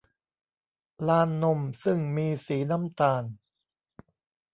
ลานนมซึ่งมีสีน้ำตาล